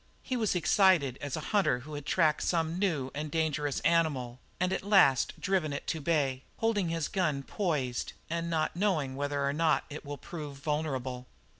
He was excited as a hunter who has tracked some new and dangerous animal and at last driven it to bay, holding his gun poised, and not knowing whether or not it will prove vulnerable.